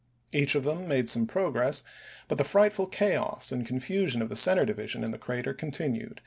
Each of them made some progress, but the frightful chaos and con PETERSBURG 423 fusion of the center division in the crater continued, ch.